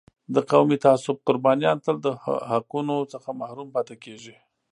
د قومي تعصب قربانیان تل د حقونو څخه محروم پاتې کېږي.